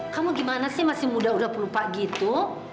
kamu gimana sih masih muda uda pelupa gitu